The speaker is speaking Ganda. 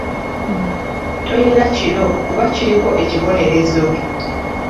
Toyera kiro kuba kiriko ekibonerezo.